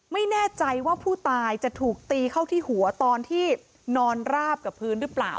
ไม่แน่ใจว่าผู้ตายจะถูกตีเข้าที่หัวตอนที่นอนราบกับพื้นหรือเปล่า